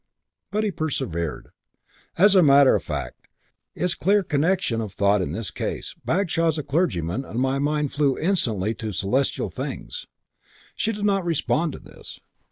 But he persevered. "As a matter of fact, it's clear connection of thought in this case. Bagshaw's a clergyman, and my mind flew instantly to celestial things." She did not respond to this.